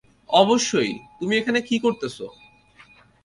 অবশ্যই তুমি এখানে কি করতেছ?